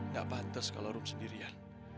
gak pantas kalau rum sendirian